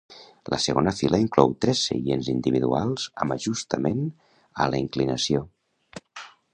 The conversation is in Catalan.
La segona fila inclou tres seients individuals amb ajustament a la inclinació.